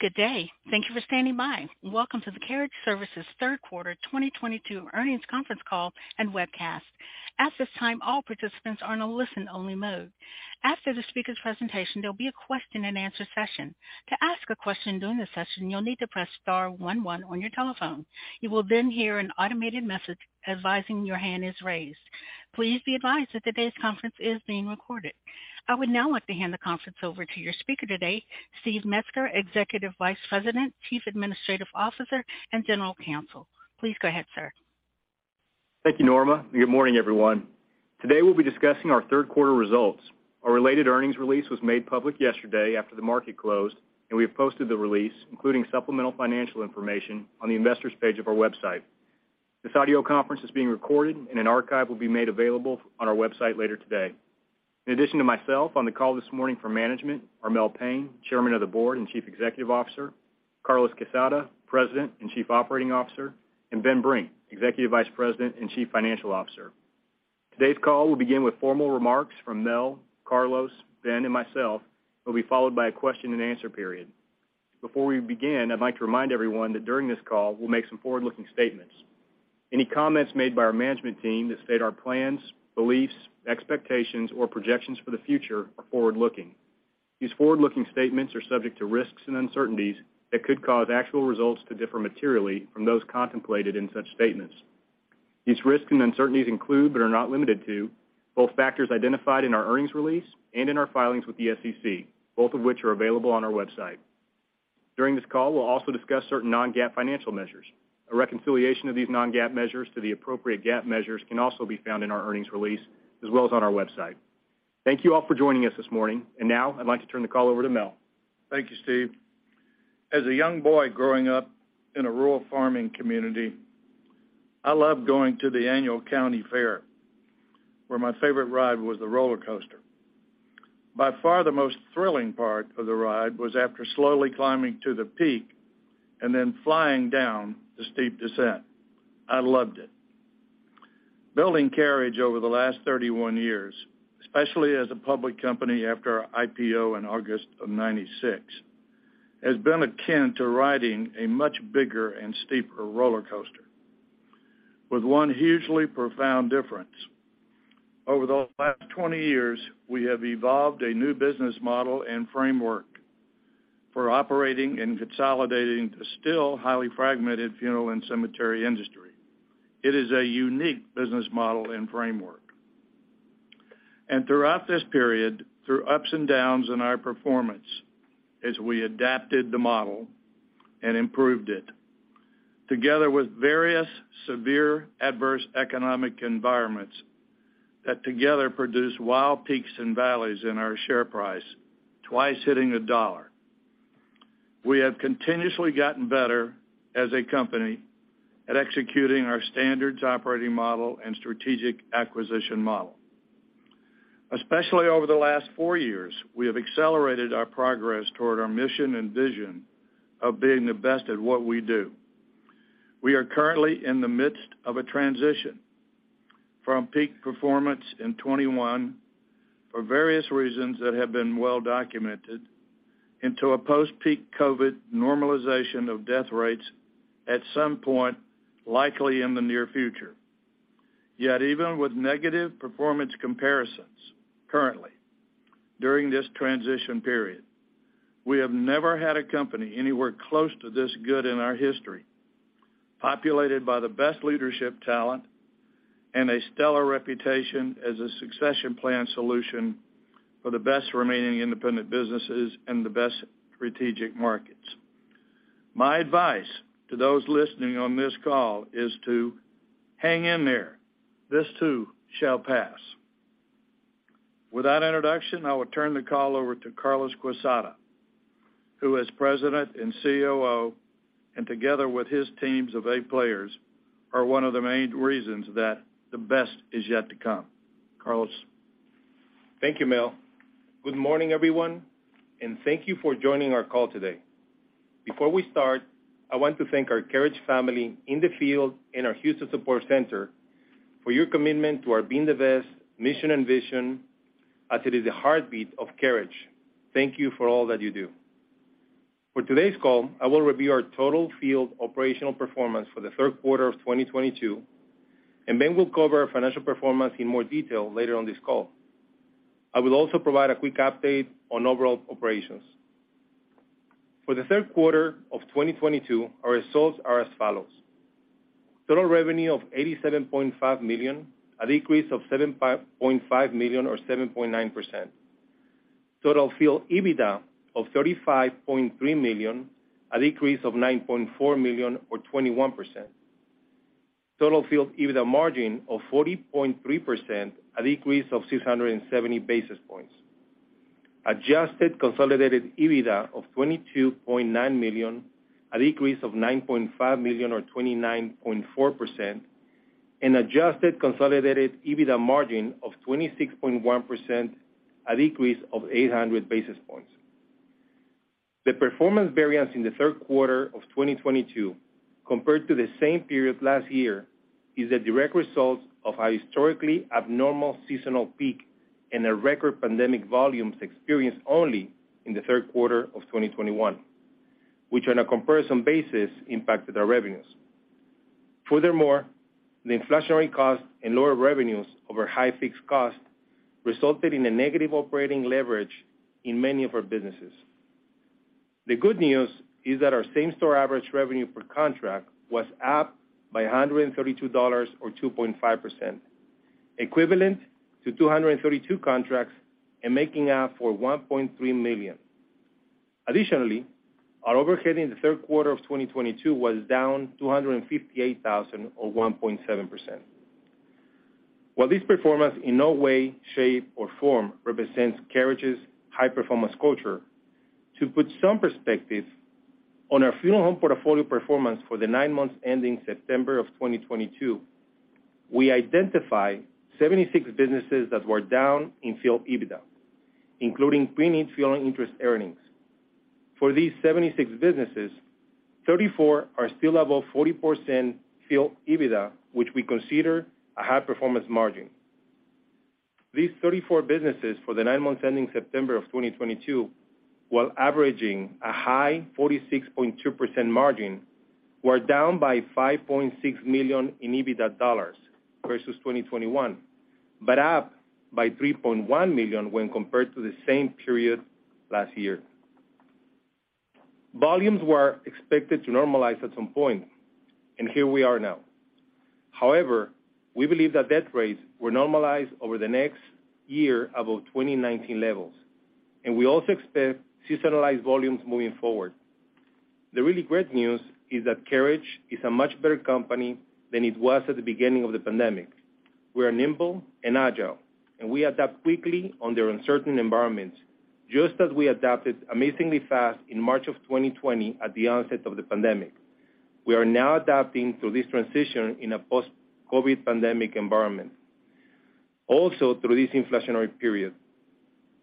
Good day. Thank you for standing by. Welcome to the Carriage Services third quarter 2022 earnings conference call and webcast. At this time, all participants are in a listen-only mode. After the speaker's presentation, there'll be a question-and-answer session. To ask a question during the session, you'll need to press star one one on your telephone. You will then hear an automated message advising your hand is raised. Please be advised that today's conference is being recorded. I would now like to hand the conference over to your speaker today, Steve Metzger, Executive Vice President, Chief Administrative Officer, and General Counsel. Please go ahead, sir. Thank you, Norma. Good morning, everyone. Today, we'll be discussing our third quarter results. Our related earnings release was made public yesterday after the market closed, and we have posted the release, including supplemental financial information, on the Investors page of our website. This audio conference is being recorded, and an archive will be made available on our website later today. In addition to myself, on the call this morning for management are Melvin Payne, Chairman of the Board and Chief Executive Officer, Carlos Quezada, President and Chief Operating Officer, and Ben Brink, Executive Vice President and Chief Financial Officer. Today's call will begin with formal remarks from Mel, Carlos, Ben, and myself, will be followed by a question-and-answer period. Before we begin, I'd like to remind everyone that during this call, we'll make some forward-looking statements. Any comments made by our management team that state our plans, beliefs, expectations, or projections for the future are forward-looking. These forward-looking statements are subject to risks and uncertainties that could cause actual results to differ materially from those contemplated in such statements. These risks and uncertainties include, but are not limited to, both factors identified in our earnings release and in our filings with the SEC, both of which are available on our website. During this call, we'll also discuss certain non-GAAP financial measures. A reconciliation of these non-GAAP measures to the appropriate GAAP measures can also be found in our earnings release as well as on our website. Thank you all for joining us this morning. Now, I'd like to turn the call over to Mel. Thank you, Steve. As a young boy growing up in a rural farming community, I loved going to the annual county fair, where my favorite ride was the roller coaster. By far, the most thrilling part of the ride was after slowly climbing to the peak and then flying down the steep descent. I loved it. Building Carriage over the last 31 years, especially as a public company after our IPO in August of 1996, has been akin to riding a much bigger and steeper roller coaster, with one hugely profound difference. Over the last 20 years, we have evolved a new business model and framework for operating and consolidating the still highly fragmented funeral and cemetery industry. It is a unique business model and framework. Throughout this period, through ups and downs in our performance as we adapted the model and improved it, together with various severe adverse economic environments that together produced wild peaks and valleys in our share price, twice hitting $1. We have continuously gotten better as a company at executing our standard operating model and strategic acquisition model. Especially over the last four years, we have accelerated our progress toward our mission and vision of being the best at what we do. We are currently in the midst of a transition from peak performance in 2021, for various reasons that have been well documented, into a post-peak COVID normalization of death rates at some point, likely in the near future. Yet even with negative performance comparisons currently during this transition period, we have never had a company anywhere close to this good in our history, populated by the best leadership talent and a stellar reputation as a succession plan solution for the best remaining independent businesses in the best strategic markets. My advice to those listening on this call is to hang in there. This too shall pass. With that introduction, I will turn the call over to Carlos Quezada, who is President and COO, and together with his teams of A players, are one of the main reasons that the best is yet to come. Carlos? Thank you, Mel. Good morning, everyone, and thank you for joining our call today. Before we start, I want to thank our Carriage family in the field and our Houston support center for your commitment to our being the best mission and vision as it is the heartbeat of Carriage. Thank you for all that you do. For today's call, I will review our total field operational performance for the third quarter of 2022, and Ben will cover financial performance in more detail later on this call. I will also provide a quick update on overall operations. For the third quarter of 2022, our results are as follows. Total revenue of $87.5 million, a decrease of $7.5 million or 7.9%. Total field EBITDA of $35.3 million, a decrease of $9.4 million or 21%. Total field EBITDA margin of 40.3%, a decrease of 670 basis points. Adjusted consolidated EBITDA of $22.9 million, a decrease of $9.5 million or 29.4%. Adjusted consolidated EBITDA margin of 26.1%, a decrease of 800 basis points. The performance variance in the third quarter of 2022 compared to the same period last year is a direct result of a historically abnormal seasonal peak and a record pandemic volumes experienced only in the third quarter of 2021, which on a comparison basis impacted our revenues. Furthermore, the inflationary costs and lower revenues over high fixed costs resulted in a negative operating leverage in many of our businesses. The good news is that our same-store average revenue per contract was up by $132 or 2.5%, equivalent to 232 contracts and making up for $1.3 million. Additionally, our overhead in the third quarter of 2022 was down $258,000 or 1.7%. While this performance in no way, shape, or form represents Carriage's high-performance culture, to put some perspective on our funeral home portfolio performance for the nine months ending September of 2022, we identified 76 businesses that were down in Field EBITDA, including pre-need funeral interest earnings. For these 76 businesses, 34 are still above 40% Field EBITDA, which we consider a high-performance margin. These 34 businesses for the nine months ending September of 2022, while averaging a high 46.2% margin, were down by $5.6 million in EBITDA dollars versus 2021, but up by $3.1 million when compared to the same period last year. Volumes were expected to normalize at some point, and here we are now. However, we believe that death rates will normalize over the next year above 2019 levels, and we also expect seasonalized volumes moving forward. The really great news is that Carriage is a much better company than it was at the beginning of the pandemic. We are nimble and agile, and we adapt quickly under uncertain environments. Just as we adapted amazingly fast in March of 2020 at the onset of the pandemic, we are now adapting to this transition in a post-COVID pandemic environment, also through this inflationary period.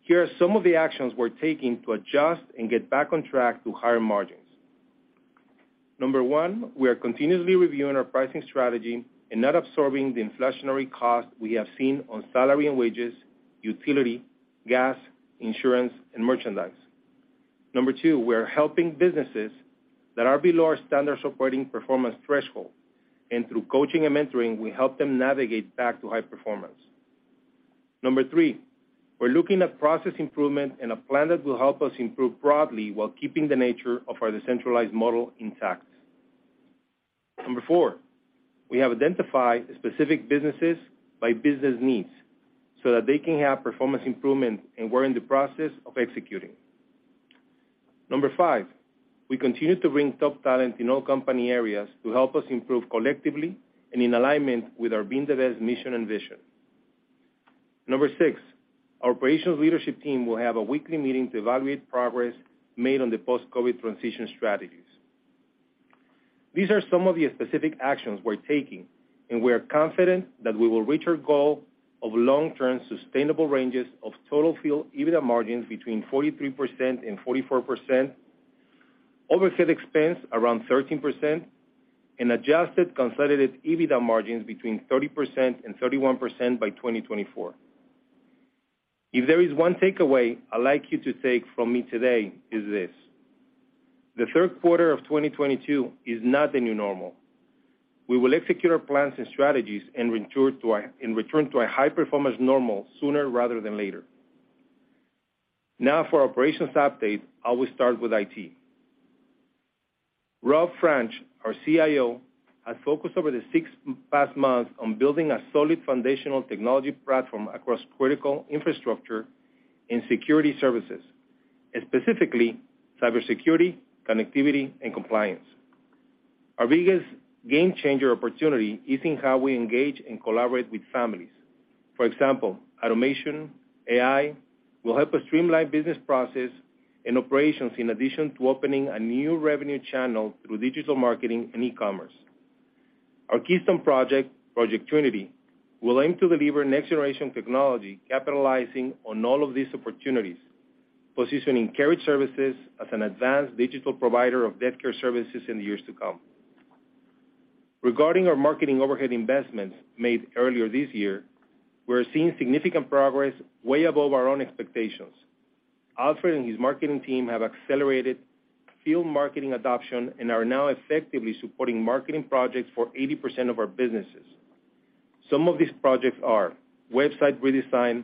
Here are some of the actions we're taking to adjust and get back on track to higher margins. Number one, we are continuously reviewing our pricing strategy and not absorbing the inflationary cost we have seen on salary and wages, utility, gas, insurance, and merchandise. Number two, we are helping businesses that are below our standard supporting performance threshold, and through coaching and mentoring, we help them navigate back to high performance. Number three, we're looking at process improvement and a plan that will help us improve broadly while keeping the nature of our decentralized model intact. Number four, we have identified specific businesses by business needs so that they can have performance improvement, and we're in the process of executing. Number five, we continue to bring top talent in all company areas to help us improve collectively and in alignment with our Being the Best mission and vision. Number six, our operations leadership team will have a weekly meeting to evaluate progress made on the post-COVID transition strategies. These are some of the specific actions we're taking, and we are confident that we will reach our goal of long-term sustainable ranges of total Field EBITDA margins between 43% and 44%, overhead expense around 13%, and Adjusted Consolidated EBITDA margins between 30% and 31% by 2024. If there is one takeaway I'd like you to take from me today is this: the third quarter of 2022 is not the new normal. We will execute our plans and strategies and return to a high-performance normal sooner rather than later. Now for operations update, I will start with IT. Rob Franch, our CIO, has focused over the past six months on building a solid foundational technology platform across critical infrastructure and security services, and specifically cybersecurity, connectivity, and compliance. Our biggest game-changer opportunity is in how we engage and collaborate with families. For example, automation, AI, will help us streamline business process and operations in addition to opening a new revenue channel through digital marketing and e-commerce. Our keystone project, Project Trinity, will aim to deliver next-generation technology capitalizing on all of these opportunities, positioning Carriage Services as an advanced digital provider of deathcare services in the years to come. Regarding our marketing overhead investments made earlier this year, we're seeing significant progress way above our own expectations. Alfred and his marketing team have accelerated field marketing adoption and are now effectively supporting marketing projects for 80% of our businesses. Some of these projects are website redesign,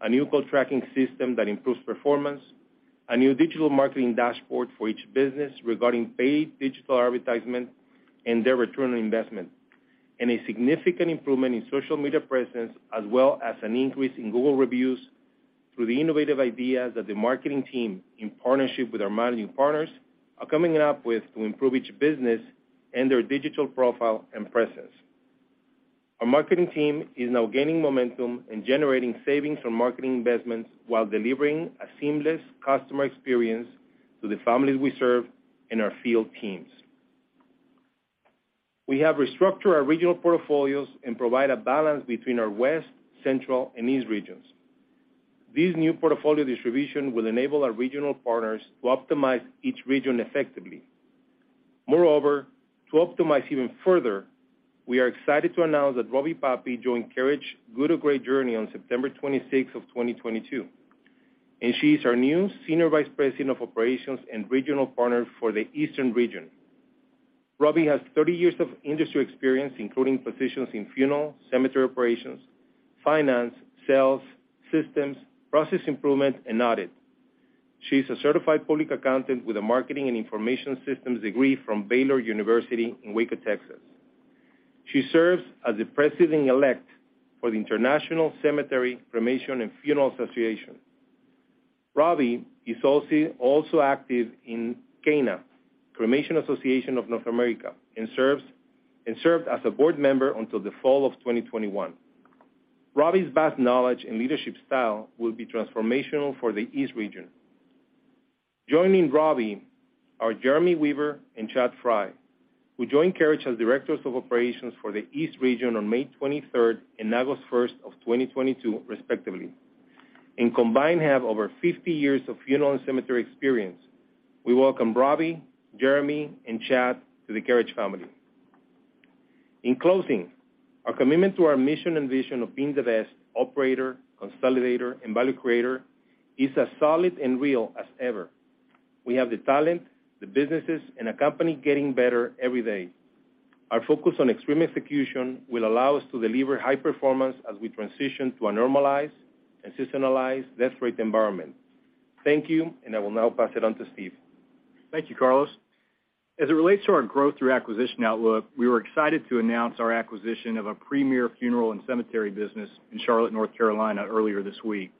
a new call tracking system that improves performance, a new digital marketing dashboard for each business regarding paid digital advertisement and their return on investment, and a significant improvement in social media presence as well as an increase in Google reviews through the innovative ideas that the marketing team, in partnership with our managing partners, are coming up with to improve each business and their digital profile and presence. Our marketing team is now gaining momentum and generating savings from marketing investments while delivering a seamless customer experience to the families we serve and our field teams. We have restructured our regional portfolios and provide a balance between our West, Central, and East regions. This new portfolio distribution will enable our regional partners to optimize each region effectively. Moreover, to optimize even further, we are excited to announce that Robbie Pape joined Carriage Services' Good to Great journey on September 26, 2022, and she's our new Senior Vice President of Operations and Regional Partner for the Eastern region. Robbie has 30 years of industry experience, including positions in funeral, cemetery operations, finance, sales, systems, process improvement, and audit. She's a certified public accountant with a marketing and information systems degree from Baylor University in Waco, Texas. She serves as the President-elect for the International Cemetery, Cremation and Funeral Association. Robbie is also active in CANA, Cremation Association of North America, and served as a board member until the fall of 2021. Robbie's vast knowledge and leadership style will be transformational for the East region. Joining Robbie are Jeremy Weaver and Chad Frye, who joined Carriage as directors of operations for the East region on May 23 and August 1, 2022 respectively, and combined have over 50 years of funeral and cemetery experience. We welcome Robbie, Jeremy, and Chad to the Carriage family. In closing, our commitment to our mission and vision of being the best operator, consolidator, and value creator is as solid and real as ever. We have the talent, the businesses, and a company getting better every day. Our focus on extreme execution will allow us to deliver high performance as we transition to a normalized and seasonalized death rate environment. Thank you, and I will now pass it on to Steve. Thank you, Carlos. As it relates to our growth through acquisition outlook, we were excited to announce our acquisition of a premier funeral and cemetery business in Charlotte, North Carolina earlier this week.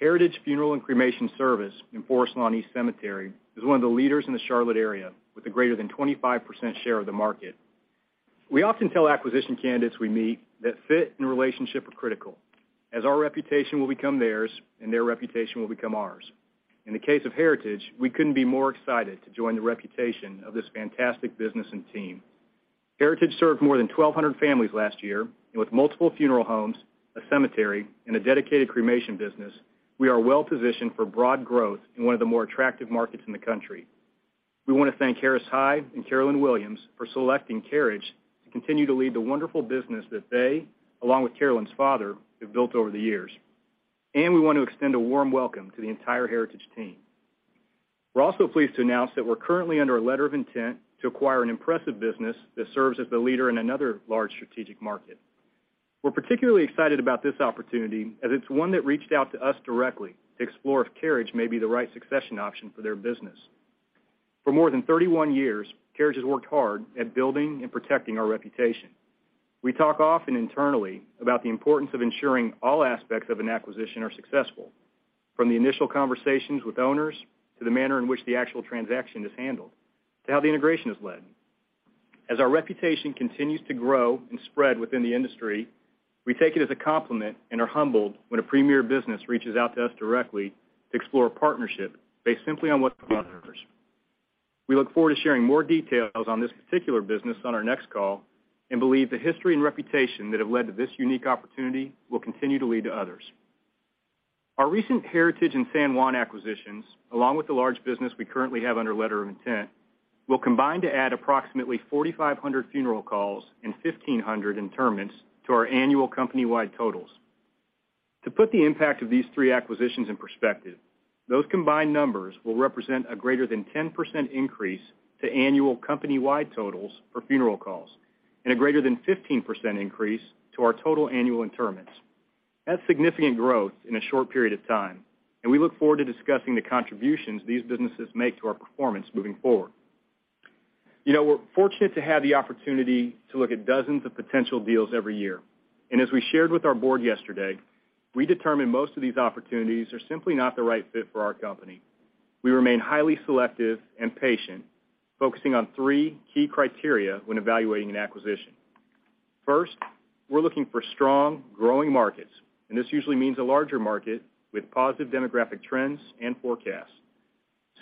Heritage Funeral and Cremation Services in Forest Lawn East Cemetery is one of the leaders in the Charlotte area with a greater than 25% share of the market. We often tell acquisition candidates we meet that fit and relationship are critical, as our reputation will become theirs and their reputation will become ours. In the case of Heritage, we couldn't be more excited to join the reputation of this fantastic business and team. Heritage served more than 1,200 families last year, and with multiple funeral homes, a cemetery, and a dedicated cremation business, we are well-positioned for broad growth in one of the more attractive markets in the country. We wanna thank Harris High and Carolyn Williams for selecting Carriage to continue to lead the wonderful business that they, along with Carolyn's father, have built over the years. We want to extend a warm welcome to the entire Heritage team. We're also pleased to announce that we're currently under a letter of intent to acquire an impressive business that serves as the leader in another large strategic market. We're particularly excited about this opportunity, as it's one that reached out to us directly to explore if Carriage may be the right succession option for their business. For more than 31 years, Carriage has worked hard at building and protecting our reputation. We talk often internally about the importance of ensuring all aspects of an acquisition are successful, from the initial conversations with owners to the manner in which the actual transaction is handled, to how the integration is led. As our reputation continues to grow and spread within the industry, we take it as a compliment and are humbled when a premier business reaches out to us directly to explore a partnership based simply on what we look forward to sharing more details on this particular business on our next call and believe the history and reputation that have led to this unique opportunity will continue to lead to others. Our recent Heritage and San Juan acquisitions, along with the large business we currently have under letter of intent, will combine to add approximately 4,500 funeral calls and 1,500 interments to our annual company-wide totals. To put the impact of these three acquisitions in perspective, those combined numbers will represent a greater than 10% increase to annual company-wide totals for funeral calls and a greater than 15% increase to our total annual interments. That's significant growth in a short period of time, and we look forward to discussing the contributions these businesses make to our performance moving forward. You know, we're fortunate to have the opportunity to look at dozens of potential deals every year, and as we shared with our board yesterday, we determine most of these opportunities are simply not the right fit for our company. We remain highly selective and patient, focusing on three key criteria when evaluating an acquisition. First, we're looking for strong growing markets, and this usually means a larger market with positive demographic trends and forecasts.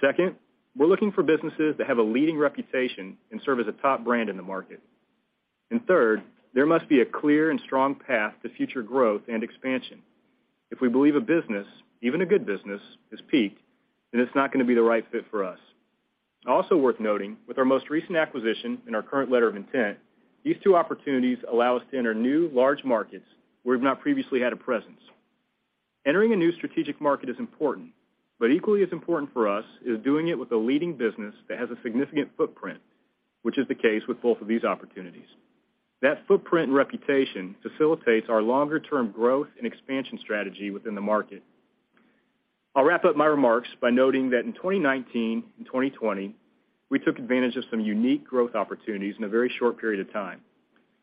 Second, we're looking for businesses that have a leading reputation and serve as a top brand in the market. Third, there must be a clear and strong path to future growth and expansion. If we believe a business, even a good business, has peaked, then it's not gonna be the right fit for us. Also worth noting, with our most recent acquisition and our current letter of intent, these two opportunities allow us to enter new large markets where we've not previously had a presence. Entering a new strategic market is important, but equally as important for us is doing it with a leading business that has a significant footprint, which is the case with both of these opportunities. That footprint and reputation facilitates our longer term growth and expansion strategy within the market. I'll wrap up my remarks by noting that in 2019 and 2020, we took advantage of some unique growth opportunities in a very short period of time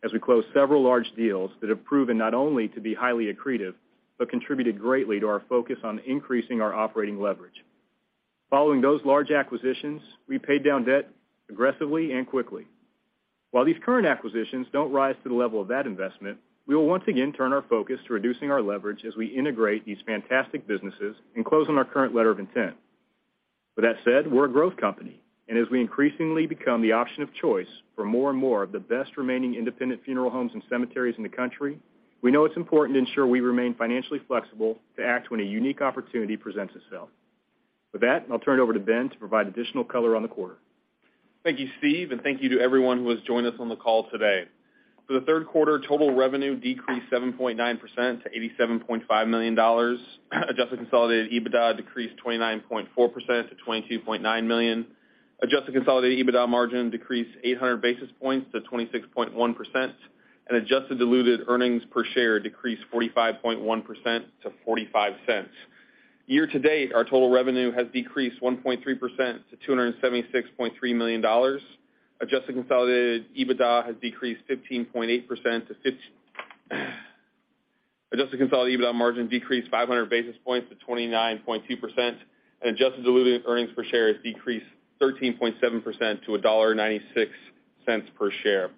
as we closed several large deals that have proven not only to be highly accretive, but contributed greatly to our focus on increasing our operating leverage. Following those large acquisitions, we paid down debt aggressively and quickly. While these current acquisitions don't rise to the level of that investment, we will once again turn our focus to reducing our leverage as we integrate these fantastic businesses and close on our current letter of intent. With that said, we're a growth company, and as we increasingly become the option of choice for more and more of the best remaining independent funeral homes and cemeteries in the country, we know it's important to ensure we remain financially flexible to act when a unique opportunity presents itself. With that, I'll turn it over to Ben to provide additional color on the quarter. Thank you, Steve, and thank you to everyone who has joined us on the call today. For the third quarter, total revenue decreased 7.9% to $87.5 million. Adjusted consolidated EBITDA decreased 29.4% to $22.9 million. Adjusted consolidated EBITDA margin decreased 800 basis points to 26.1%, and adjusted diluted earnings per share decreased 45.1% to $0.45. Year to date, our total revenue has decreased 1.3% to $276.3 million. Adjusted consolidated EBITDA has decreased 15.8%. Adjusted consolidated EBITDA margin decreased 500 basis points to 29.2%, and adjusted diluted earnings per share has decreased 13.7% to $1.96 per share.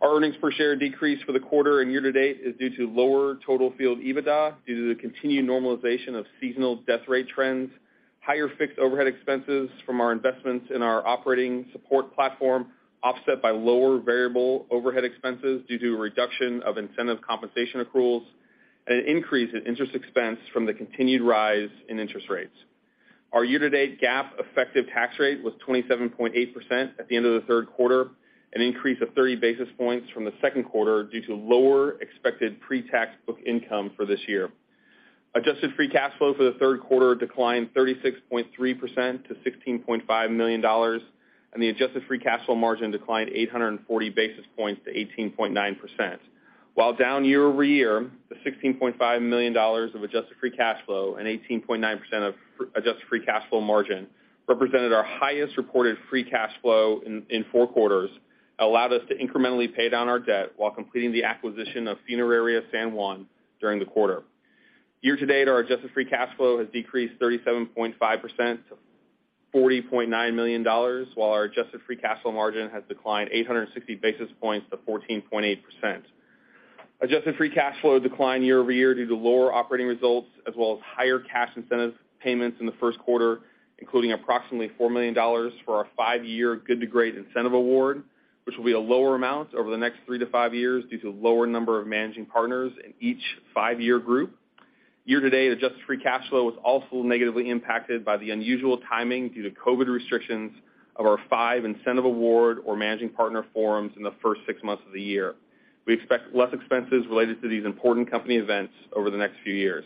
Our earnings per share decreased for the quarter and year to date is due to lower total Field EBITDA due to the continued normalization of seasonal death rate trends, higher fixed overhead expenses from our investments in our operating support platform, offset by lower variable overhead expenses due to a reduction of incentive compensation accruals and an increase in interest expense from the continued rise in interest rates. Our year-to-date GAAP effective tax rate was 27.8% at the end of the third quarter, an increase of 30 basis points from the second quarter due to lower expected pre-tax book income Adjusted free cash flow for the third quarter declined 36.3% to $16.5 Adjusted free cash flow margin declined 840 basis points to 18.9%. While down year-over-year, the Adjusted free cash flow margin represented our highest reported free cash flow in four quarters, allowed us to incrementally pay down our debt while completing the acquisition of Funeraria San Juan during the Adjusted free cash flow has decreased 37.5% to $40.9 Adjusted free cash flow margin has declined 860 basis points to 14.8%. Adjusted free cash flow declined year-over-year due to lower operating results as well as higher cash incentive payments in the first quarter, including approximately $4 million for our five-year Good to Great incentive award, which will be a lower amount over the next three to five years due to a lower number of managing partners in each five-year group. Adjusted free cash flow was also negatively impacted by the unusual timing due to COVID restrictions of our five incentive award or managing partner forums in the first six months of the year. We expect less expenses related to these important company events over the next few years.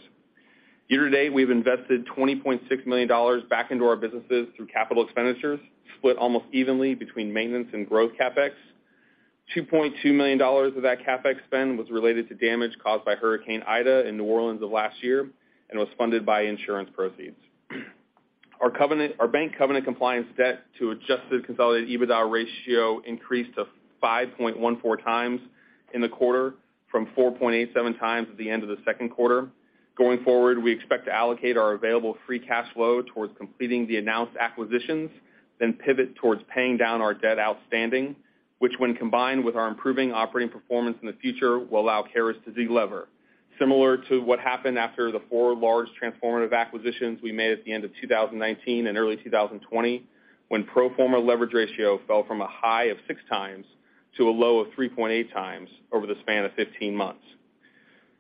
Year to date, we've invested $20.6 million back into our businesses through capital expenditures, split almost evenly between maintenance and growth CapEx. $2.2 million of that CapEx spend was related to damage caused by Hurricane Ida in New Orleans of last year and was funded by insurance proceeds. Our bank covenant compliance debt to Adjusted Consolidated EBITDA ratio increased to 5.14x in the quarter from 4.87x at the end of the second quarter. Going forward, we expect to allocate our available free cash flow towards completing the announced acquisitions, then pivot towards paying down our debt outstanding, which when combined with our improving operating performance in the future, will allow Carriage to delever. Similar to what happened after the four large transformative acquisitions we made at the end of 2019 and early 2020, when pro forma leverage ratio fell from a high of 6x to a low of 3.8x over the span of 15 months.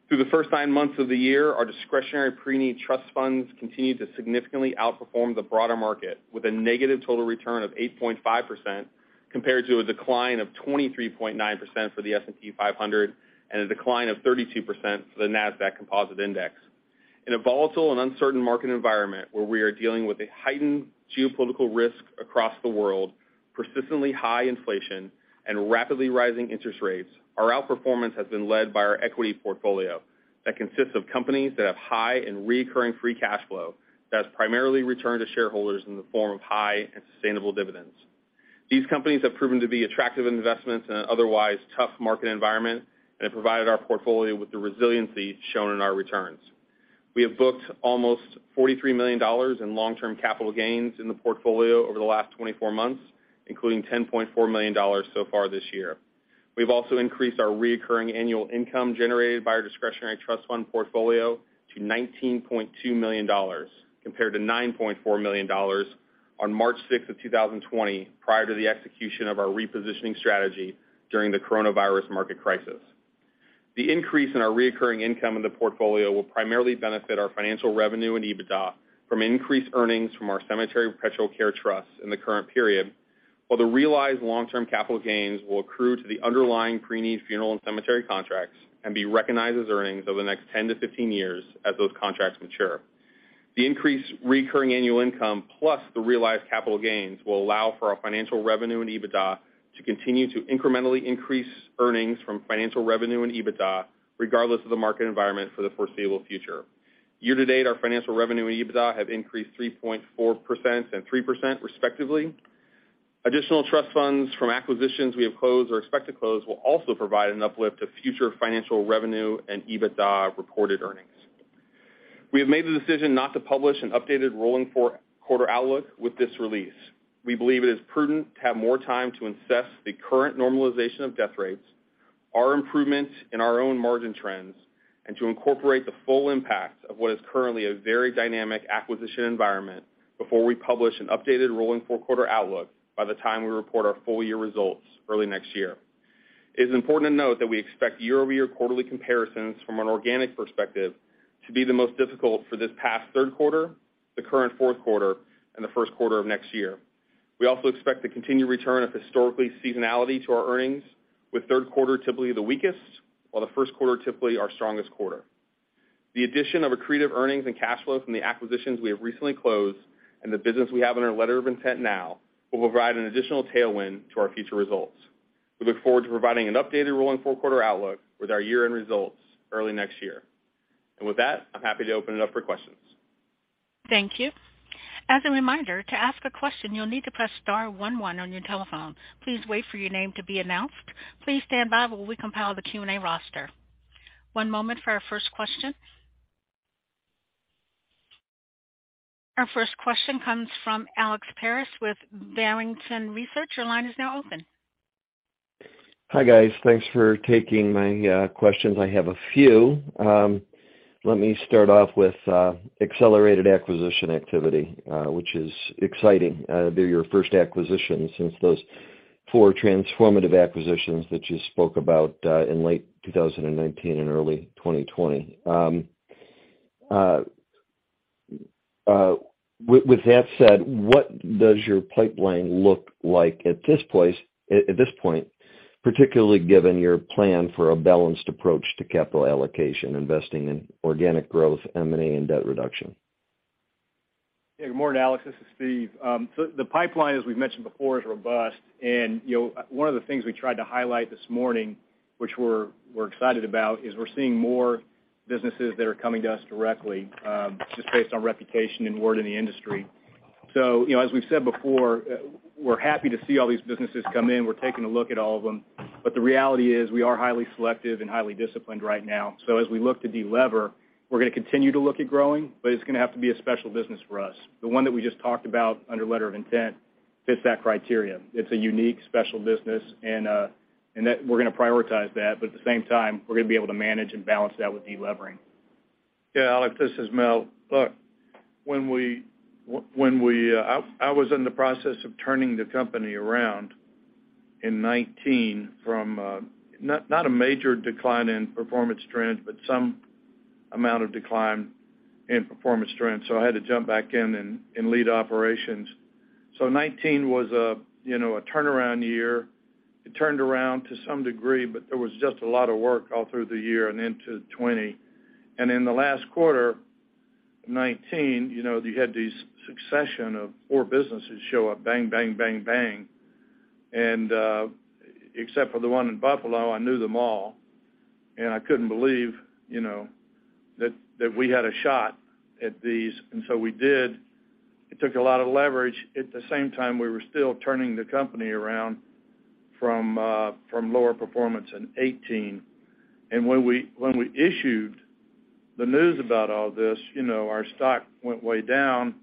Through the first nine months of the year, our discretionary pre-need trust funds continued to significantly outperform the broader market with a negative total return of 8.5% compared to a decline of 23.9% for the S&P 500 and a decline of 32% for the Nasdaq Composite Index. In a volatile and uncertain market environment where we are dealing with a heightened geopolitical risk across the world, persistently high inflation, and rapidly rising interest rates, our outperformance has been led by our equity portfolio that consists of companies that have high and reoccurring free cash flow that is primarily returned to shareholders in the form of high and sustainable dividends. These companies have proven to be attractive investments in an otherwise tough market environment and have provided our portfolio with the resiliency shown in our returns. We have booked almost $43 million in long-term capital gains in the portfolio over the last 24 months, including $10.4 million so far this year. We've also increased our recurring annual income generated by our discretionary trust fund portfolio to $19.2 million compared to $9.4 million on March 6, 2020, prior to the execution of our repositioning strategy during the coronavirus market crisis. The increase in our recurring income in the portfolio will primarily benefit our financial revenue and EBITDA from increased earnings from our cemetery perpetual care trusts in the current period, while the realized long-term capital gains will accrue to the underlying pre-need funeral and cemetery contracts and be recognized as earnings over the next 10-15 years as those contracts mature. The increased recurring annual income plus the realized capital gains will allow for our financial revenue and EBITDA to continue to incrementally increase earnings from financial revenue and EBITDA regardless of the market environment for the foreseeable future. Year to date, our financial revenue and EBITDA have increased 3.4% and 3% respectively. Additional trust funds from acquisitions we have closed or expect to close will also provide an uplift to future financial revenue and EBITDA reported earnings. We have made the decision not to publish an updated rolling four-quarter outlook with this release. We believe it is prudent to have more time to assess the current normalization of death rates, our improvements in our own margin trends, and to incorporate the full impact of what is currently a very dynamic acquisition environment before we publish an updated rolling four-quarter outlook by the time we report our full year results early next year. It is important to note that we expect year-over-year quarterly comparisons from an organic perspective to be the most difficult for this past third quarter, the current fourth quarter, and the first quarter of next year. We also expect the continued return of historically seasonality to our earnings, with third quarter typically the weakest, while the first quarter typically our strongest quarter. The addition of accretive earnings and cash flow from the acquisitions we have recently closed and the business we have in our letter of intent now will provide an additional tailwind to our future results. We look forward to providing an updated rolling four-quarter outlook with our year-end results early next year. With that, I'm happy to open it up for questions. Thank you. As a reminder, to ask a question, you'll need to press star one one on your telephone. Please wait for your name to be announced. Please stand by while we compile the Q&A roster. One moment for our first question. Our first question comes from Alex Paris with Barrington Research. Your line is now open. Hi, guys. Thanks for taking my questions. I have a few. Let me start off with accelerated acquisition activity, which is exciting. They're your first acquisition since those four transformative acquisitions that you spoke about in late 2019 and early 2020. With that said, what does your pipeline look like at this point, particularly given your plan for a balanced approach to capital allocation, investing in organic growth, M&A, and debt reduction? Yeah. Good morning, Alex. This is Steve. So the pipeline, as we've mentioned before, is robust. You know, one of the things we tried to highlight this morning, which we're excited about, is we're seeing more businesses that are coming to us directly, just based on reputation and word in the industry. You know, as we've said before, we're happy to see all these businesses come in. We're taking a look at all of them. The reality is we are highly selective and highly disciplined right now. As we look to delever, we're gonna continue to look at growing, but it's gonna have to be a special business for us. The one that we just talked about under letter of intent fits that criteria. It's a unique special business, and that we're gonna prioritize that. At the same time, we're gonna be able to manage and balance that with delevering. Yeah, Alex, this is Mel. Look, I was in the process of turning the company around in 2019 from not a major decline in performance trends, but some amount of decline in performance trends, so I had to jump back in and lead operations. 2019 was a, you know, a turnaround year. It turned around to some degree, but there was just a lot of work all through the year and into 2020. In the last quarter of 2019, you know, you had these succession of poor businesses show up, bang, bang. Except for the one in Buffalo, I knew them all, and I couldn't believe, you know, that we had a shot at these, and so we did. It took a lot of leverage. At the same time, we were still turning the company around from lower performance in 2018. When we issued the news about all this, you know, our stock went way down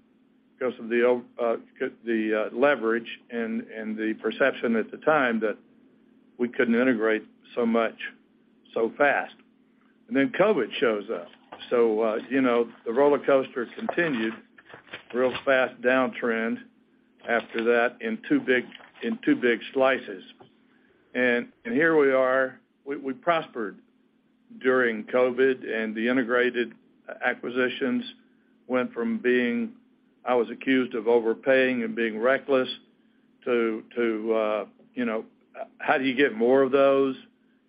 because of the leverage and the perception at the time that we couldn't integrate so much so fast. COVID shows up. You know, the rollercoaster continued, real fast downtrend after that in two big slices. Here we are. We prospered during COVID, and the integrated acquisitions went from I was accused of overpaying and being reckless to, you know, how do you get more of those?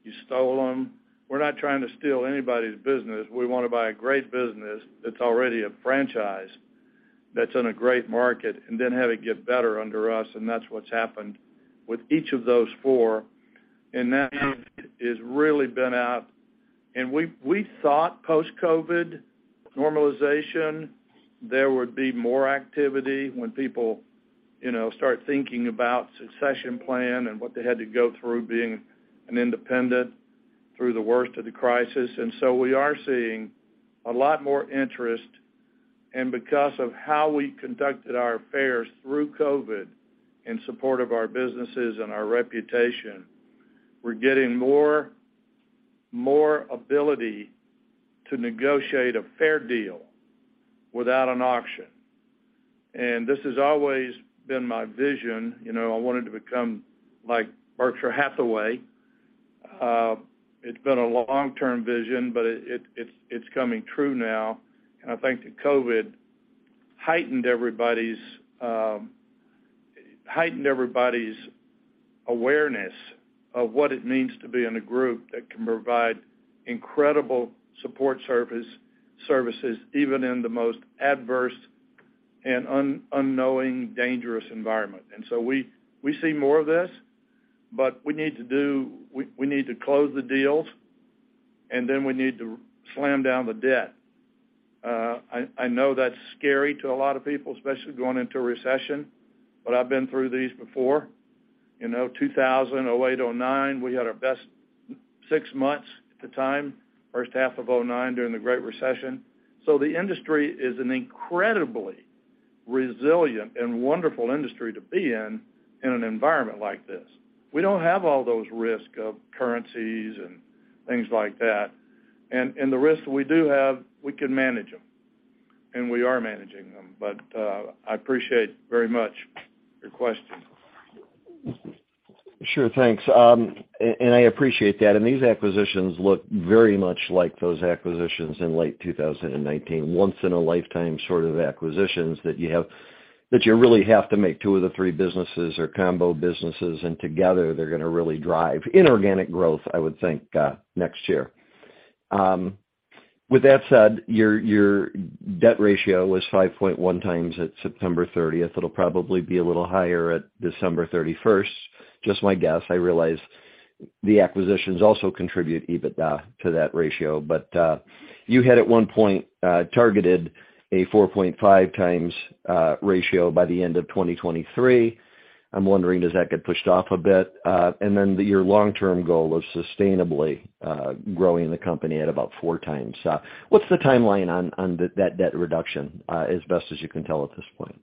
You stole them. We're not trying to steal anybody's business. We wanna buy a great business that's already a franchise, that's in a great market and then have it get better under us, and that's what's happened with each of those four. That has really been our. We thought post-COVID normalization, there would be more activity when people, you know, start thinking about succession plan and what they had to go through being an independent through the worst of the crisis. We are seeing a lot more interest. Because of how we conducted our affairs through COVID in support of our businesses and our reputation, we're getting more ability to negotiate a fair deal without an auction. This has always been my vision. You know, I wanted to become like Berkshire Hathaway. It's been a long-term vision, but it's coming true now. I think that COVID heightened everybody's awareness of what it means to be in a group that can provide incredible support services, even in the most adverse and unknown, dangerous environment. We see more of this, but we need to close the deals, and then we need to slam down the debt. I know that's scary to a lot of people, especially going into a recession, but I've been through these before. You know, 2008, 2009, we had our best six months at the time, first half of 2009 during the Great Recession. The industry is an incredibly resilient and wonderful industry to be in an environment like this. We don't have all those risks of currencies and things like that. The risks that we do have, we can manage them, and we are managing them. I appreciate very much your question. Sure. Thanks. I appreciate that. These acquisitions look very much like those acquisitions in late 2019. Once in a lifetime sort of acquisitions that you really have to make two of the three businesses or combo businesses, and together, they're gonna really drive inorganic growth, I would think, next year. With that said, your debt ratio was 5.1x at September 30. It'll probably be a little higher at December 31. Just my guess, I realize the acquisitions also contribute EBITDA to that ratio. You had at one point targeted a 4.5x ratio by the end of 2023. I'm wondering, does that get pushed off a bit? Your long-term goal of sustainably growing the company at about 4x. What's the timeline on that debt reduction, as best as you can tell at this point?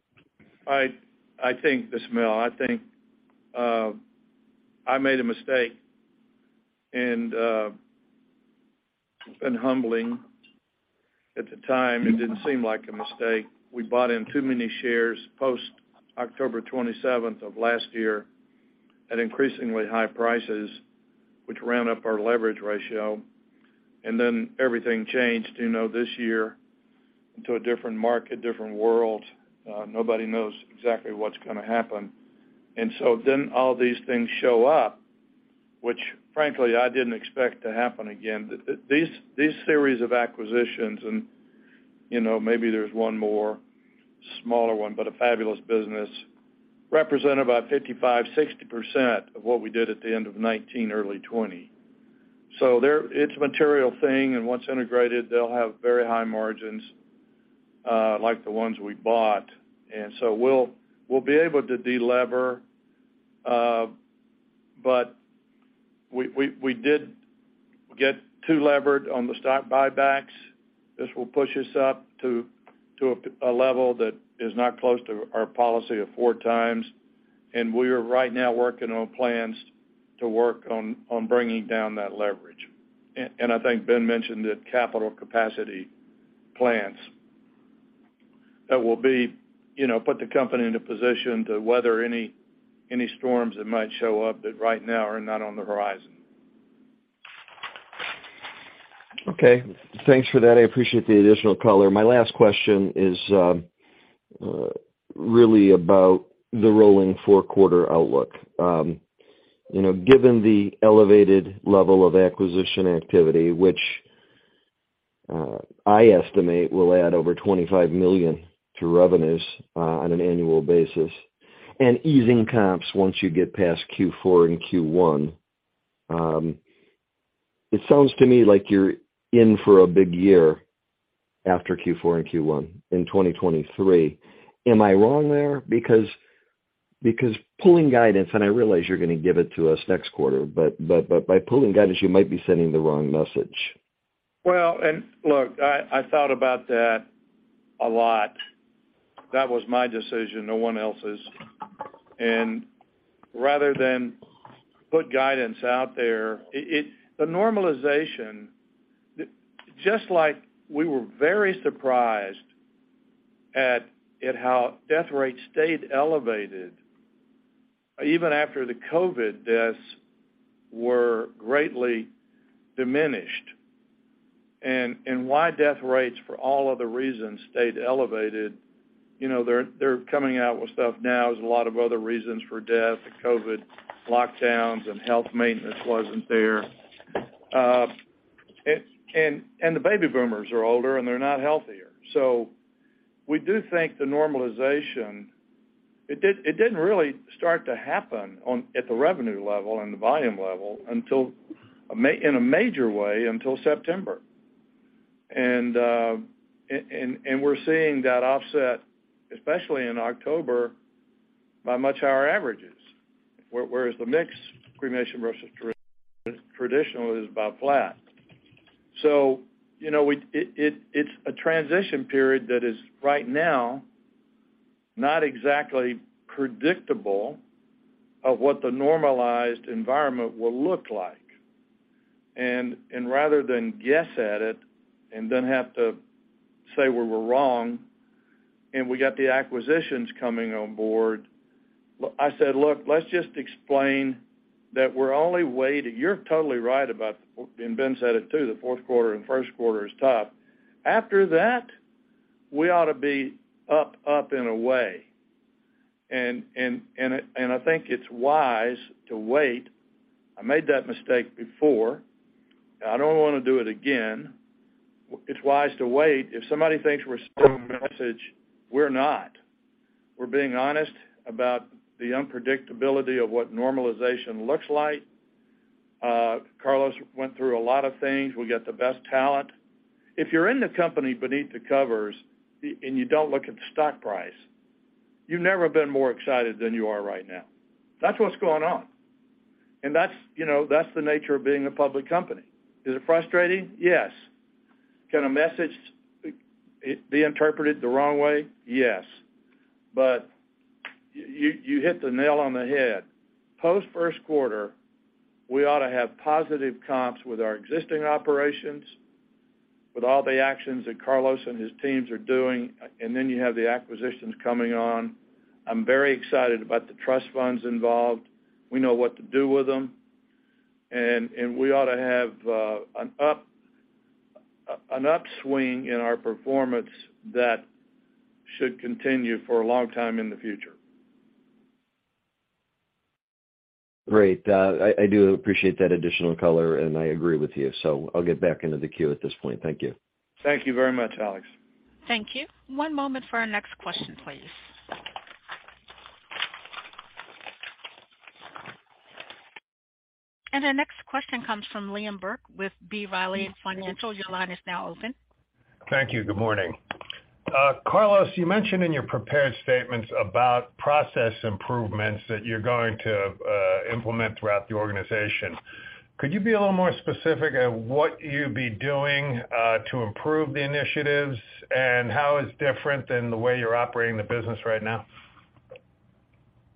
I think this, Mel. I think I made a mistake, and it's been humbling. At the time, it didn't seem like a mistake. We bought in too many shares post-October 27 of last year at increasingly high prices, which ran up our leverage ratio, and then everything changed, you know, this year into a different market, different world. Nobody knows exactly what's gonna happen. All these things show up, which frankly, I didn't expect to happen again. These series of acquisitions and, you know, maybe there's one more, smaller one, but a fabulous business, represent about 55%-60% of what we did at the end of 2019, early 2020. It's a material thing, and once integrated, they'll have very high margins, like the ones we bought. We'll be able to delever, but we did get too levered on the stock buybacks. This will push us up to a level that is not close to our policy of four times. We are right now working on plans to work on bringing down that leverage. I think Ben mentioned the capital capacity plans that will be, you know, put the company into position to weather any storms that might show up that right now are not on the horizon. Okay. Thanks for that. I appreciate the additional color. My last question is really about the rolling four-quarter outlook. You know, given the elevated level of acquisition activity, which I estimate will add over $25 million to revenues on an annual basis, and easing comps once you get past Q4 and Q1, it sounds to me like you're in for a big year after Q4 and Q1 in 2023. Am I wrong there? Because pulling guidance, and I realize you're gonna give it to us next quarter, but by pulling guidance, you might be sending the wrong message. Well, look, I thought about that a lot. That was my decision, no one else's. Rather than put guidance out there, the normalization, just like we were very surprised at how death rates stayed elevated even after the COVID deaths were greatly diminished, and why death rates for all of the reasons stayed elevated, you know, they're coming out with stuff now. There's a lot of other reasons for death. The COVID lockdowns and health maintenance wasn't there. The baby boomers are older, and they're not healthier. We do think the normalization it didn't really start to happen at the revenue level and the volume level until in a major way until September. We're seeing that offset, especially in October by much higher averages. Whereas the mix, cremation versus traditional, is about flat. So, you know, it's a transition period that is right now not exactly predictable of what the normalized environment will look like. Rather than guess at it and then have to say we were wrong and we got the acquisitions coming on board, I said, "Look, let's just explain that we're only waiting." You're totally right about, and Ben said it too, the fourth quarter and first quarter is tough. After that, we ought to be up and away. I think it's wise to wait. I made that mistake before. I don't wanna do it again. It's wise to wait. If somebody thinks we're sending a message, we're not. We're being honest about the unpredictability of what normalization looks like. Carlos went through a lot of things. We got the best talent. If you're in the company beneath the covers, and you don't look at the stock price, you've never been more excited than you are right now. That's what's going on. That's, you know, that's the nature of being a public company. Is it frustrating? Yes. Can a message be interpreted the wrong way? Yes. But you hit the nail on the head. Post first quarter, we ought to have positive comps with our existing operations, with all the actions that Carlos and his teams are doing, and then you have the acquisitions coming on. I'm very excited about the trust funds involved. We know what to do with them. We ought to have an upswing in our performance that should continue for a long time in the future. Great. I do appreciate that additional color, and I agree with you. I'll get back into the queue at this point. Thank you. Thank you very much, Alex. Thank you. One moment for our next question, please. Our next question comes from Liam Burke with B. Riley Securities. Your line is now open. Thank you. Good morning. Carlos, you mentioned in your prepared statements about process improvements that you're going to implement throughout the organization. Could you be a little more specific about what you'll be doing to improve the initiatives and how it's different than the way you're operating the business right now?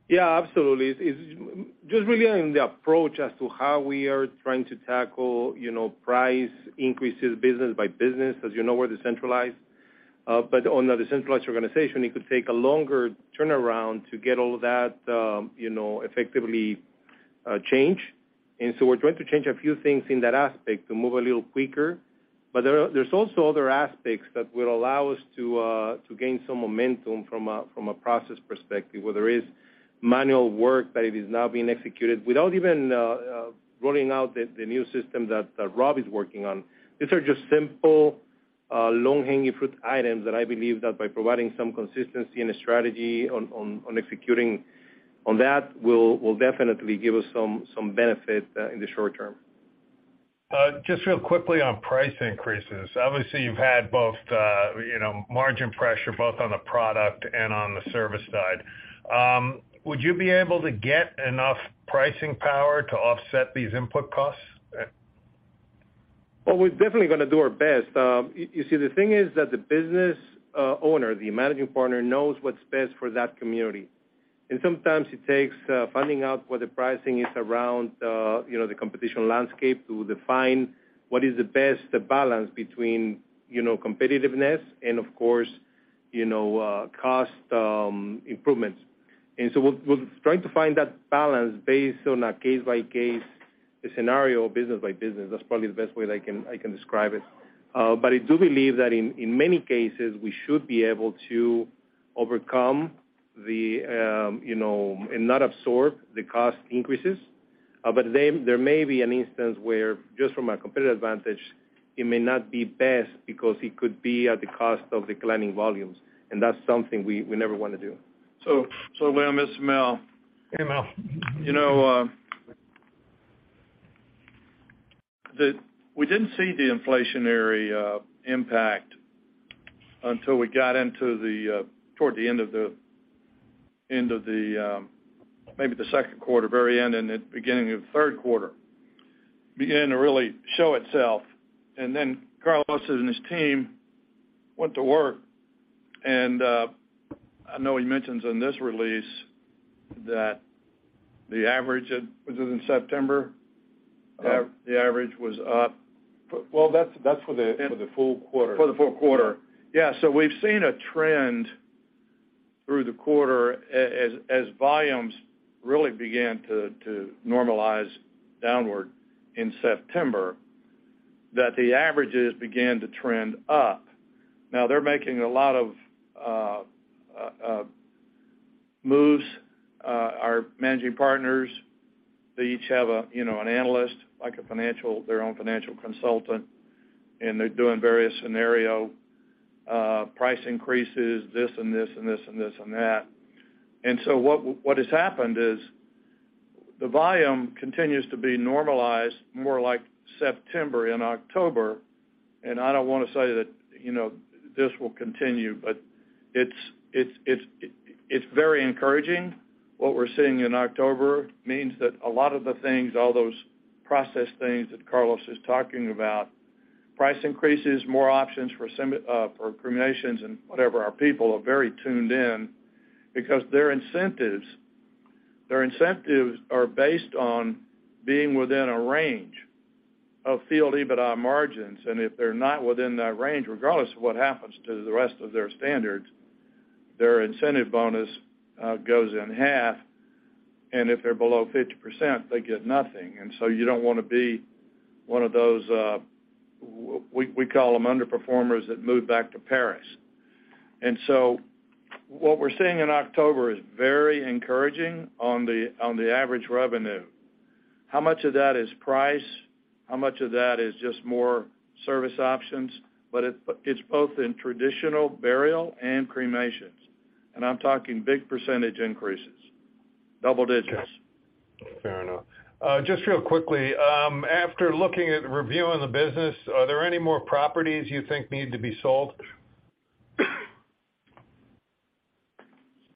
Yeah, absolutely. It's just really in the approach as to how we are trying to tackle, you know, price increases business by business as you know we're decentralized. In a decentralized organization, it could take a longer turnaround to get all that, you know, effectively change. We're trying to change a few things in that aspect to move a little quicker. There's also other aspects that will allow us to gain some momentum from a process perspective, where there is manual work that it is now being executed without even rolling out the new system that Rob is working on. These are just simple, low-hanging fruit items that I believe that by providing some consistency and a strategy on executing on that will definitely give us some benefit in the short term. Just real quickly on price increases. Obviously, you've had both, you know, margin pressure both on the product and on the service side. Would you be able to get enough pricing power to offset these input costs? Well, we're definitely gonna do our best. You see, the thing is that the business owner, the managing partner, knows what's best for that community. Sometimes it takes finding out what the pricing is around, you know, the competition landscape to define what is the best balance between, you know, competitiveness and of course, you know, cost improvements. We'll try to find that balance based on a case by case scenario, business by business. That's probably the best way I can describe it. I do believe that in many cases, we should be able to overcome the you know and not absorb the cost increases. There may be an instance where just from a competitive advantage, it may not be best because it could be at the cost of declining volumes, and that's something we never wanna do. Liam, it's Mel. Hey, Mel. You know, we didn't see the inflationary impact until we got into toward the end of the second quarter, very end and the beginning of third quarter began to really show itself. Then Carlos and his team went to work. I know he mentions in this release that the average, was it in September? Uh- The average was up. Well, that's for the full quarter. For the full quarter. So we've seen a trend through the quarter as volumes really began to normalize downward in September, that the averages began to trend up. Now they're making a lot of moves, our managing partners, they each have a, you know, an analyst, like a financial, their own financial consultant, and they're doing various scenario price increases, this and this and this and that. What has happened is the volume continues to be normalized more like September and October. I don't wanna say that, you know, this will continue, but it's very encouraging. What we're seeing in October means that a lot of the things, all those process things that Carlos is talking about, price increases, more options for cremations and whatever, our people are very tuned in because their incentives are based on being within a range of Field EBITDA margins. If they're not within that range, regardless of what happens to the rest of their standards, their incentive bonus goes in half. If they're below 50%, they get nothing. You don't wanna be one of those underperformers that move back to Paris. What we're seeing in October is very encouraging on the average revenue. How much of that is price? How much of that is just more service options? It's both in traditional burial and cremations. I'm talking big percentage increases. Double digits. Fair enough. Just real quickly, after looking at reviewing the business, are there any more properties you think need to be sold?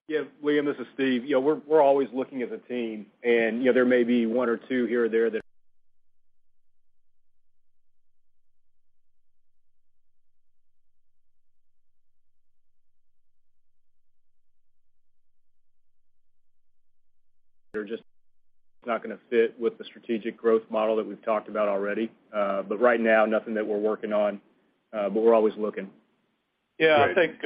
Yeah, Liam Burke, this is Steve Metzger. Yeah, we're always looking as a team, and, you know, there may be one or two here or there that they're just not gonna fit with the strategic growth model that we've talked about already. Right now, nothing that we're working on, but we're always looking. Yeah. I think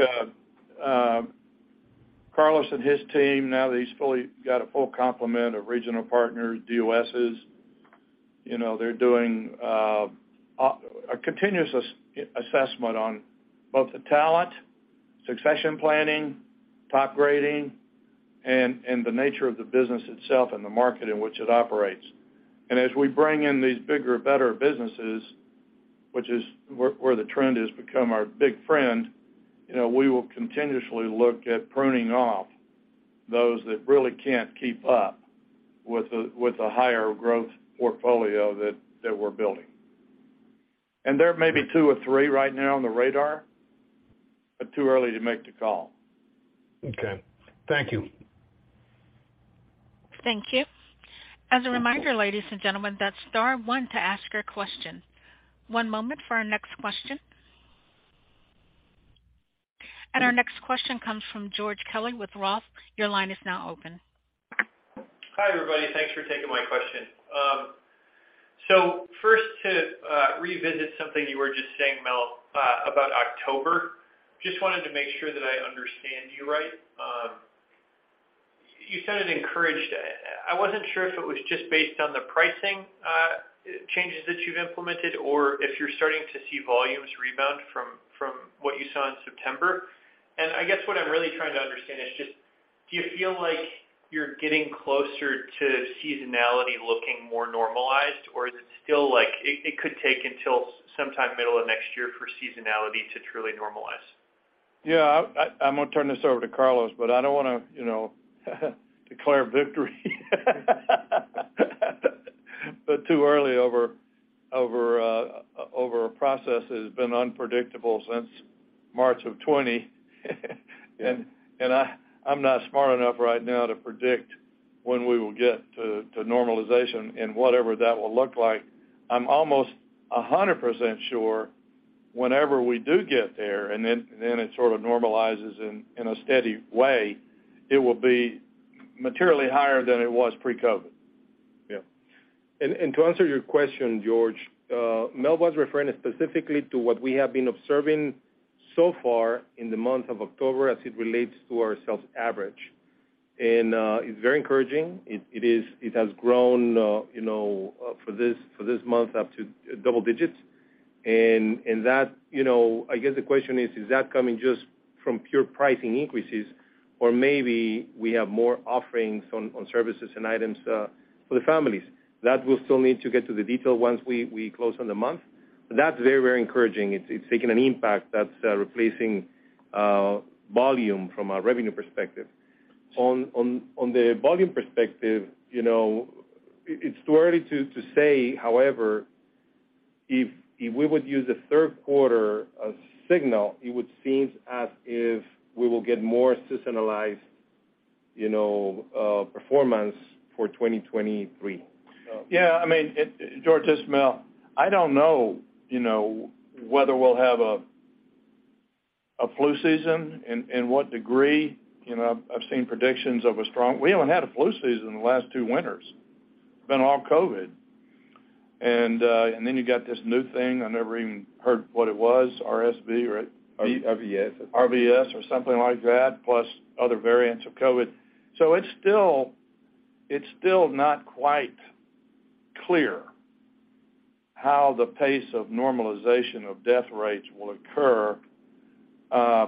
Carlos and his team, now that he's fully got a full complement of regional partners, DOSs, you know, they're doing a continuous assessment on both the talent, succession planning, top grading, and the nature of the business itself and the market in which it operates. As we bring in these bigger, better businesses, which is where the trend has become our big friend, you know, we will continuously look at pruning off those that really can't keep up with the higher growth portfolio that we're building. There may be two or three right now on the radar, but too early to make the call. Okay. Thank you. Thank you. As a reminder, ladies and gentlemen, that's star one to ask your question. One moment for our next question. Our next question comes from George Kelly with ROTH. Your line is now open. Hi, everybody. Thanks for taking my question. So first to revisit something you were just saying, Mel, about October, just wanted to make sure that I understand you right. You sounded encouraged. I wasn't sure if it was just based on the pricing changes that you've implemented or if you're starting to see volumes rebound from what you saw in September. I guess what I'm really trying to understand is just, do you feel like you're getting closer to seasonality looking more normalized, or is it still like it could take until sometime middle of next year for seasonality to truly normalize? Yeah. I'm gonna turn this over to Carlos, but I don't wanna, you know, declare victory too early over a process that has been unpredictable since March of 2020. I'm not smart enough right now to predict when we will get to normalization and whatever that will look like. I'm almost 100% sure whenever we do get there, then it sort of normalizes in a steady way, it will be materially higher than it was pre-COVID. Yeah. To answer your question, George, Mel was referring specifically to what we have been observing so far in the month of October as it relates to our sales average. It's very encouraging. It has grown, you know, for this month up to double digits. That, you know, I guess the question is that coming just from pure pricing increases or maybe we have more offerings on services and items for the families. That we'll still need to get to the detail once we close on the month. That's very encouraging. It's taken an impact that's replacing volume from a revenue perspective. On the volume perspective, you know, it's too early to say, however, if we would use the third quarter as signal, it would seem as if we will get more seasonalized, you know, performance for 2023. Yeah. I mean, George, this is Mel. I don't know, you know, whether we'll have a flu season and what degree. You know, I've seen predictions of a strong. We haven't had a flu season in the last two winters. It's been all COVID. Then you've got this new thing, I never even heard what it was, RSV, right? RSV. RSV or something like that, plus other variants of COVID. It's still not quite clear how the pace of normalization of death rates will occur. I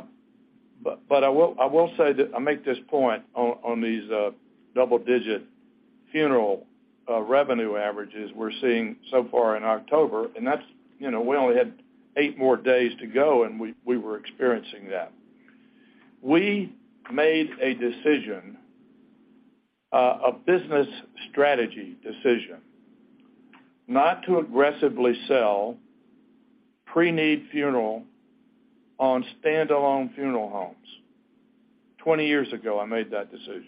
will say that I make this point on these double-digit funeral revenue averages we're seeing so far in October, and that's, you know, we only had eight more days to go, and we were experiencing that. We made a decision, a business strategy decision not to aggressively sell pre-need funeral on standalone funeral homes. 20 years ago, I made that decision.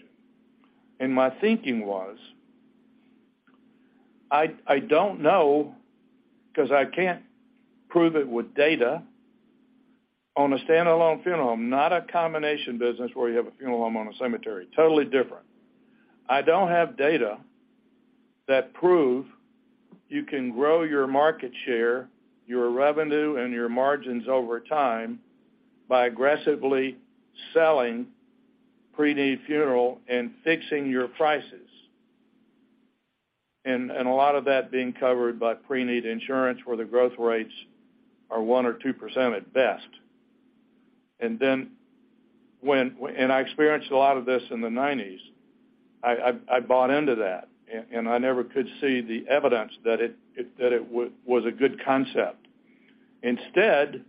My thinking was, I don't know because I can't prove it with data on a standalone funeral home, not a combination business where you have a funeral home on a cemetery. Totally different. I don't have data that prove you can grow your market share, your revenue, and your margins over time by aggressively selling pre-need funeral and fixing your prices. A lot of that being covered by pre-need insurance, where the growth rates are 1% or 2% at best. I experienced a lot of this in the 1990s. I bought into that, and I never could see the evidence that it was a good concept. Instead,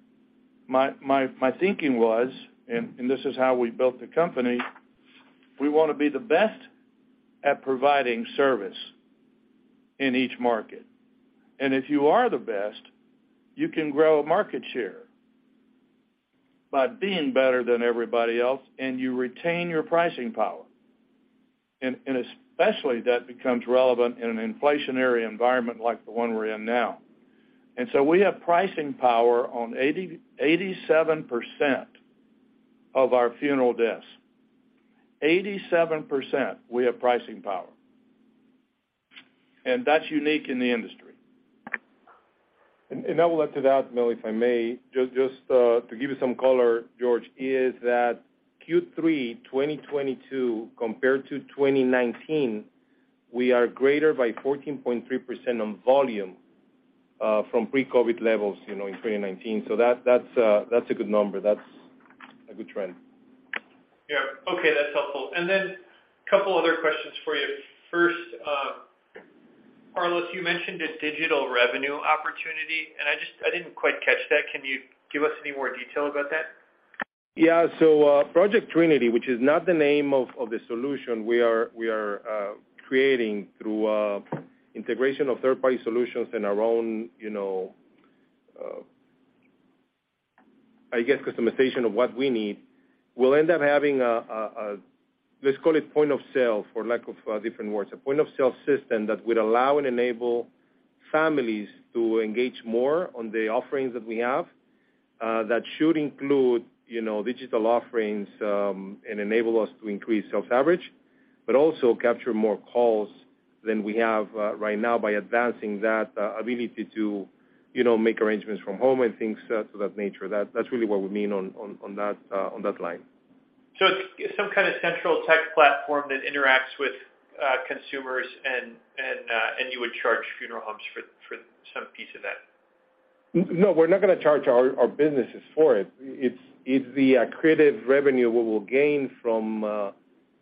my thinking was, and this is how we built the company, we wanna be the best at providing service. In each market. If you are the best, you can grow market share by being better than everybody else, and you retain your pricing power. Especially that becomes relevant in an inflationary environment like the one we're in now. We have pricing power on 87% of our funeral deaths. 87%, we have pricing power. That's unique in the industry. I will add to that, Mel, if I may, just to give you some color, George, is that Q3 2022 compared to 2019, we are greater by 14.3% on volume from pre-COVID levels, you know, in 2019. That's a good number. That's a good trend. Yeah. Okay, that's helpful. Couple other questions for you. First, Carlos, you mentioned this digital revenue opportunity, and I just, I didn't quite catch that. Can you give us any more detail about that? Yeah. Project Trinity, which is not the name of the solution we are creating through integration of third-party solutions and our own, you know, I guess, customization of what we need, will end up having a, let's call it point-of-sale, for lack of different words, a point-of-sale system that would allow and enable families to engage more on the offerings that we have, that should include, you know, digital offerings, and enable us to increase sales average, but also capture more calls than we have right now by advancing that ability to, you know, make arrangements from home and things of that nature. That's really what we mean on that line. It's some kind of central tech platform that interacts with consumers and you would charge funeral homes for some piece of that? No, we're not gonna charge our businesses for it. It's the accretive revenue we will gain from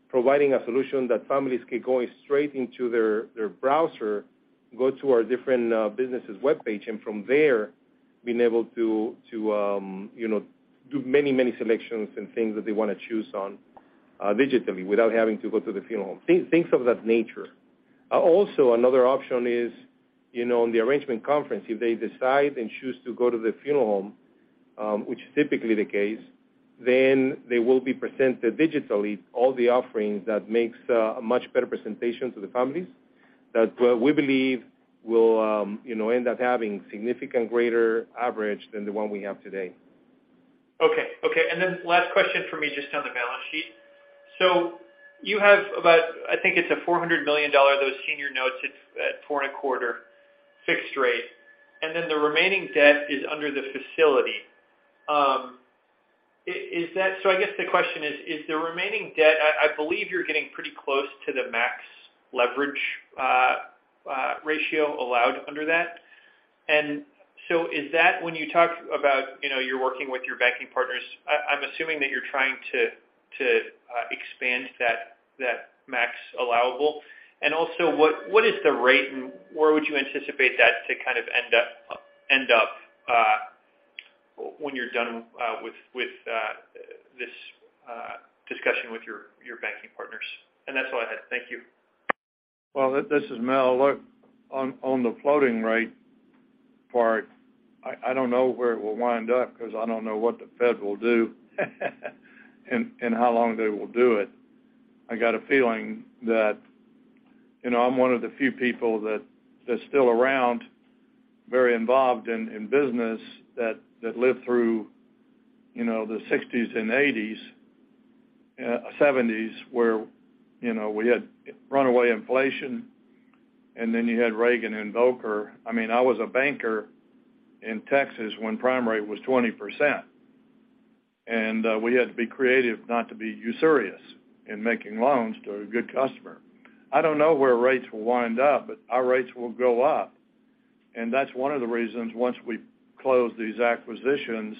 providing a solution that families can go straight into their browser, go to our different businesses' webpage, and from there, being able to, you know, do many selections and things that they wanna choose on digitally without having to go to the funeral home. Things of that nature. Also another option is, you know, in the arrangement conference, if they decide and choose to go to the funeral home, which is typically the case, then they will be presented digitally all the offerings that makes a much better presentation to the families that we believe will, you know, end up having significant greater average than the one we have today. Last question for me, just on the balance sheet. You have about, I think it's $400 million, those senior notes at 4.25% fixed rate, and then the remaining debt is under the facility. Is that. I guess the question is the remaining debt. I believe you're getting pretty close to the max leverage ratio allowed under that. Is that when you talk about, you're working with your banking partners, I'm assuming that you're trying to expand that max allowable. Also, what is the rate, and where would you anticipate that to kind of end up when you're done with this discussion with your banking partners? That's all I had. Thank you. Well, this is Mel. Look, on the floating rate part, I don't know where it will wind up 'cause I don't know what the Fed will do and how long they will do it. I got a feeling that, you know, I'm one of the few people that's still around, very involved in business that lived through, you know, the sixties and eighties, seventies, where, you know, we had runaway inflation, and then you had Reagan and Volcker. I mean, I was a banker in Texas when prime rate was 20%. We had to be creative not to be usurious in making loans to a good customer. I don't know where rates will wind up, but our rates will go up. That's one of the reasons, once we close these acquisitions,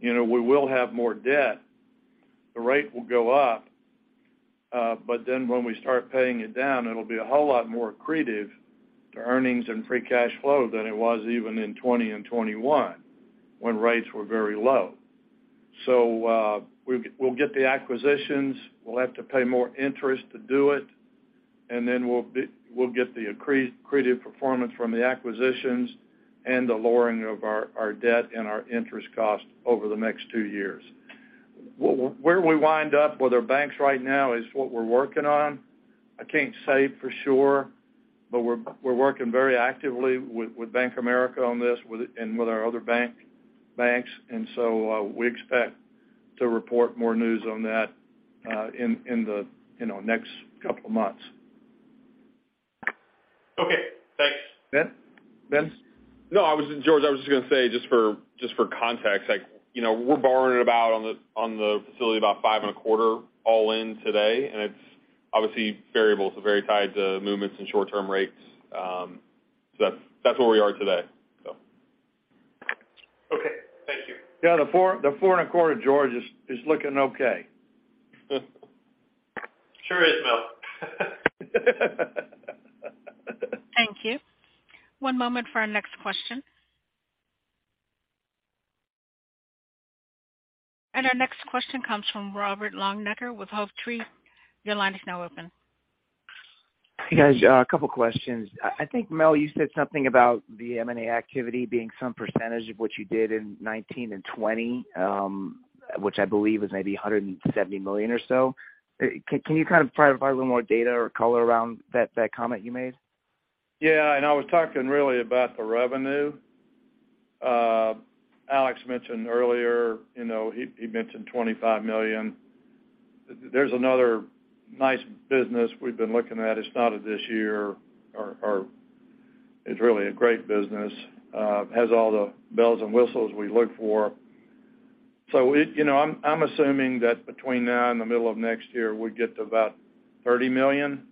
you know, we will have more debt. The rate will go up, but then when we start paying it down, it'll be a whole lot more accretive to earnings and free cash flow than it was even in 2020 and 2021 when rates were very low. We'll get the acquisitions. We'll have to pay more interest to do it. Then we'll get the accretive performance from the acquisitions and the lowering of our debt and our interest cost over the next two years. Where we wind up with our banks right now is what we're working on. I can't say for sure, but we're working very actively with Bank of America on this, and with our other banks. We expect to report more news on that in the next couple of months. Okay, thanks. Ben? No, George, I was just gonna say, just for context, like, you know, we're borrowing about 5.25 all in today on the facility, and it's obviously variable. It's very tied to movements in short-term rates. That's where we are today. Okay, thank you. Yeah, the 4.25, George, is looking okay. Sure is, Mel. Thank you. One moment for our next question. Our next question comes from Rob Longnecker with Jovetree. Your line is now open. Hey, guys, a couple questions. I think, Mel, you said something about the M&A activity being some percentage of what you did in 2019 and 2020, which I believe is maybe $170 million or so. Can you kind of provide a little more data or color around that comment you made? Yeah. I was talking really about the revenue. Alex mentioned earlier, you know, he mentioned $25 million. There's another nice business we've been looking at, it started this year, or it's really a great business. Has all the bells and whistles we look for. You know, I'm assuming that between now and the middle of next year, we get to about $30 million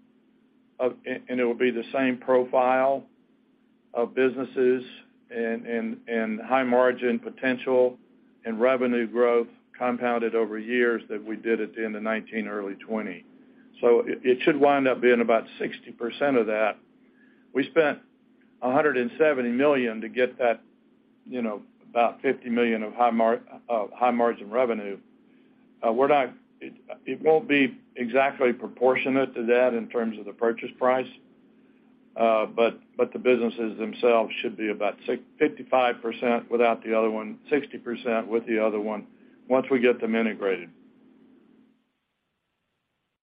of... And it will be the same profile of businesses and high margin potential and revenue growth compounded over years that we did at the end of 2019, early 2020. It should wind up being about 60% of that. We spent $170 million to get that, you know, about $50 million of high margin revenue. We're not. It won't be exactly proportionate to that in terms of the purchase price, but the businesses themselves should be about 55% without the other one, 60% with the other one once we get them integrated.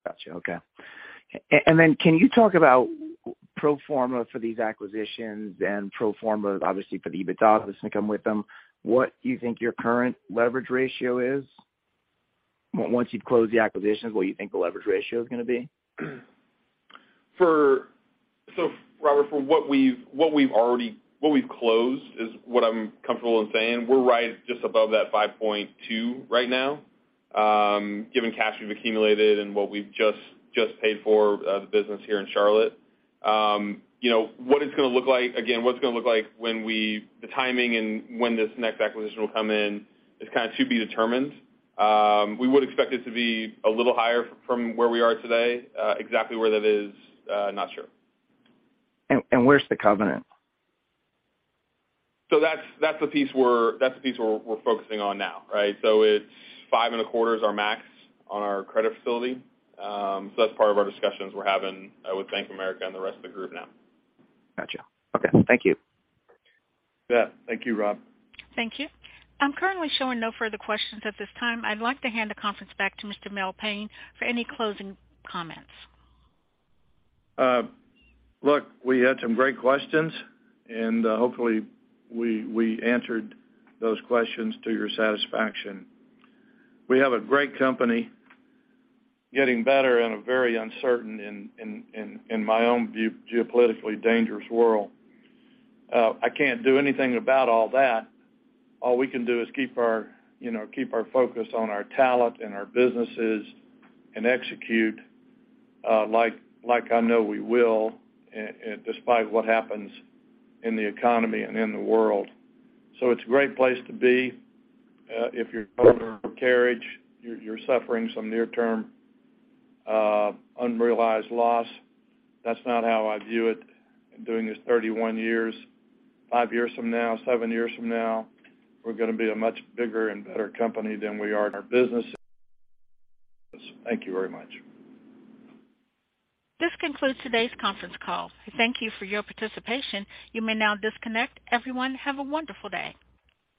Gotcha. Okay. And then can you talk about pro forma for these acquisitions and pro forma, obviously, for the EBITDA that's gonna come with them? What you think your current leverage ratio is? Once you've closed the acquisitions, what you think the leverage ratio is gonna be? Robert, from what we've already closed is what I'm comfortable in saying. We're right just above that 5.2 right now, given cash we've accumulated and what we've just paid for, the business here in Charlotte. You know what it's gonna look like, the timing and when this next acquisition will come in is kind of to be determined. We would expect it to be a little higher from where we are today. Exactly where that is, not sure. Where's the covenant? That's the piece we're focusing on now, right? It's 5.25 is our max on our credit facility. That's part of our discussions we're having with Bank of America and the rest of the group now. Gotcha. Okay. Thank you. You bet. Thank you, Rob. Thank you. I'm currently showing no further questions at this time. I'd like to hand the conference back to Mr. Mel Payne for any closing comments. Look, we had some great questions, and hopefully we answered those questions to your satisfaction. We have a great company getting better in a very uncertain, in my own view, geopolitically dangerous world. I can't do anything about all that. All we can do is keep our, you know, keep our focus on our talent and our businesses and execute, like I know we will and despite what happens in the economy and in the world. It's a great place to be. If you're Carriage, you're suffering some near term, unrealized loss. That's not how I view it in doing this 31 years. five years from now, seven years from now, we're gonna be a much bigger and better company than we are in our business. Thank you very much. This concludes today's conference call. Thank you for your participation. You may now disconnect. Everyone, have a wonderful day.